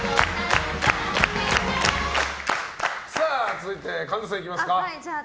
続いて、神田さんいきますか。